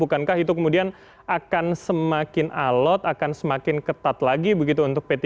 bukankah itu kemudian akan semakin alot akan semakin ketat lagi begitu untuk p tiga